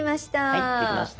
はいできました。